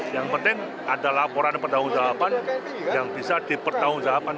yang penting ada laporan pertahun tahun yang bisa dipertahun tahun